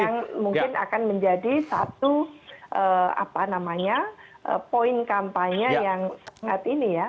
ini yang mungkin akan menjadi satu apa namanya poin kampanye yang sangat ini ya